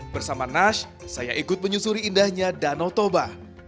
bersama nash saya ikut menyusuri indahnya danau toba